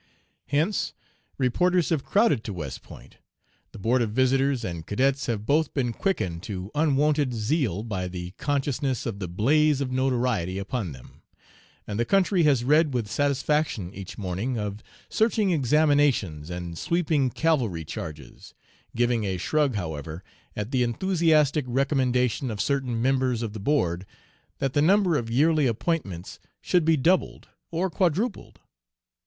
Hence reporters have crowded to West Point, the Board of Visitors and cadets have both been quickened to unwonted zeal by the consciousness of the blaze of notoriety upon them, and the country has read with satisfaction each morning of searching examinations and sweeping cavalry charges, giving a shrug however, at the enthusiastic recommendation of certain members of the board that the number of yearly appointments should be doubled or quadrupled.